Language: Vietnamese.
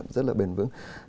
rất là bền vững